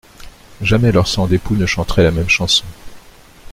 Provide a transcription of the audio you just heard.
Jamais leurs sangs d'époux ne chanteraient la même chanson.